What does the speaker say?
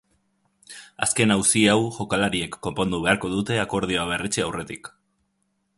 Azken auzi hau jokalariek konpondu beharko dute akordioa berretsi aurretik.